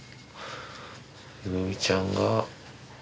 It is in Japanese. ゆめみちゃんが。